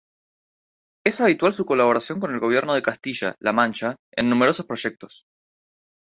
Es habitual su colaboración con el Gobierno de Castilla-La Mancha en numerosos proyectos.